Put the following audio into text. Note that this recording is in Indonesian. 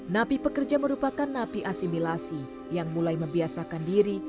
napi pekerja merupakan napi asimilasi yang mulai membiasakan diri